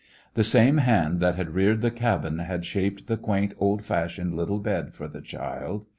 The same hand that had reared the cabin had shaped the quaint, old fashioned little bed for the child.